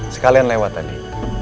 sekalian lewat tadi